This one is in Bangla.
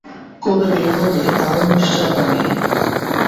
কবে বের হবে, তারও নিশ্চয়তা নেই।